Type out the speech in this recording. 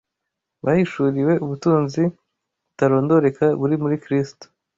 bahishuriwe ubutunzi butarondoreka buri muri Kristo